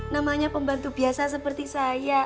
namanya pembantu biasa seperti saya